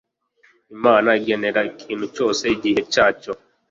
imana igenera ikintu cyose igihe cyacyo